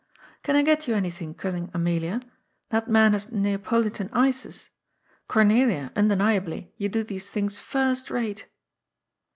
" Can I get you any thing, Cousin Amelia? That man has ^Neapolitan ices. Cornelia, undeniably, you do these things first rate."